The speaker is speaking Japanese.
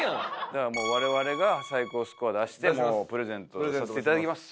だからもう我々が最高スコア出してプレゼントさせていただきます。